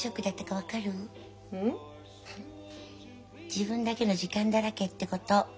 自分だけの時間だらけってこと。